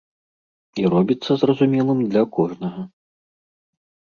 І робіцца зразумелым для кожнага.